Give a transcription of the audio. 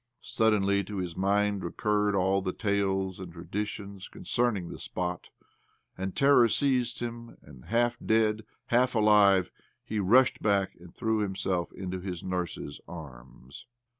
Suddenly tO! his mind recurred aU the tales and traditions I04 OBLOMOV concerning the spot ; and terror seized him, and, half dead, half alive, he rushed back and threw himself into his nurse's arms.